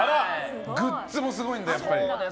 グッズもすごいんだ、やっぱり。